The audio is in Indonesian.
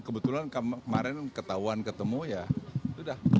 kebetulan kemarin ketahuan ketemu ya itu dah